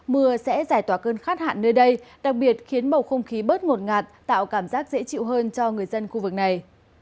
mưa sẽ giải tỏa cơn khát hạn nơi đây đặc biệt khiến bầu không khí bớt ngột ngạt tạo cảm giác dễ chịu hơn cho người dân khu vực này